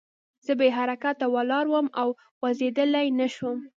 زه بې حرکته ولاړ وم او خوځېدلی نه شوم